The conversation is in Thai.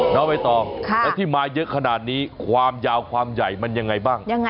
น้องใบตองแล้วที่มาเยอะขนาดนี้ความยาวความใหญ่มันยังไงบ้าง